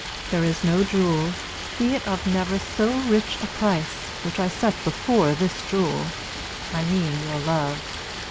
There is no jewel, be it of never so rich a price, which I set before this jewel: I mean your love.